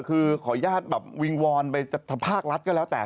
คือขออนุญาตแบบวิงวอนไปทางภาครัฐก็แล้วแต่